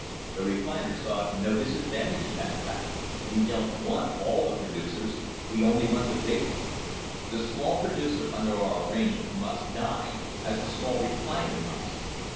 The refiners saw no disadvantage in that fact. "We don't want all the producers. We only want the big ones. The small producer under our arrangement must die, as the small refiner must."